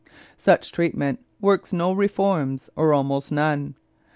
Such treatment works no reforms, or almost none.